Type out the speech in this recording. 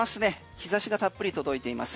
日差しがたっぷり届いています。